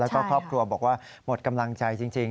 แล้วก็ครอบครัวบอกว่าหมดกำลังใจจริง